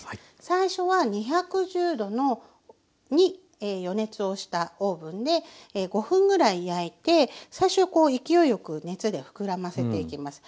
最初は２１０℃に予熱をしたオーブンで５分ぐらい焼いて最初はこう勢いよく熱で膨らませていきます。